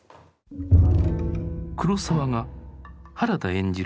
黒澤が原田演じる